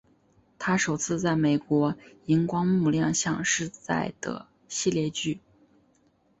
她首次在美国萤光幕亮相是在的系列剧。